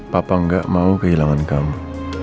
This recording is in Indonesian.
papa nggak mau kehilangan kamu